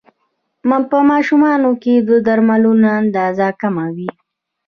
په ماشومانو کې د درملو اندازه کمه وي.